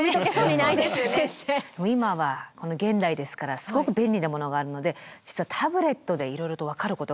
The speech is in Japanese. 今はこの現代ですからすごく便利なものがあるので実はタブレットでいろいろと分かることがあるんです。